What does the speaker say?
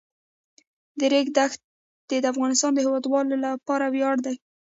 د ریګ دښتې د افغانستان د هیوادوالو لپاره ویاړ دی.